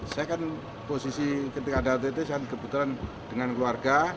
saya kan posisi ketika ada ott saya kebetulan dengan keluarga